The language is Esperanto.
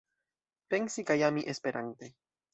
Pensi kaj ami esperante.